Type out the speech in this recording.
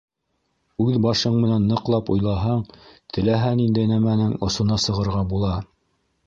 Үҙ башың менән ныҡлап уйлаһаң, теләһә ниндәй нәмәнең осона сығырға була.